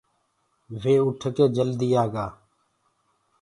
وي اُٺ ڪي جلدي آگآ۔